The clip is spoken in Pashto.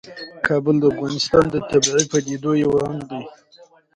کابل د افغانستان د طبیعي پدیدو یو رنګ دی.